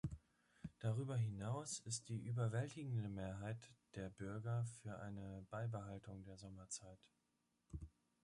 Darüber hinaus ist die überwältigende Mehrheit der Bürger für eine Beibehaltung der Sommerzeit.